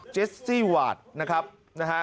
เจสซี่หวาดนะครับนะฮะ